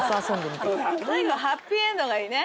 最後はハッピーエンドがいいね。